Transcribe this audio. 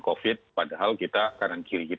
covid padahal kita kanan kiri kita